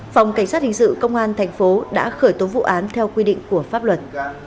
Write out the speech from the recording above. phòng cảnh sát hình sự công an tp đã khởi tố vụ án theo quy định của pháp luật